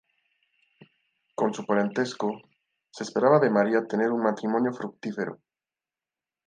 Con su parentesco, se esperaba de María tener un matrimonio fructífero.